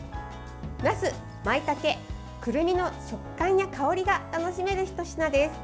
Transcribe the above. なす、まいたけ、くるみの食感や香りが楽しめるひと品です。